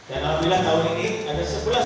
dan alhamdulillah tahun ini ada sepuluh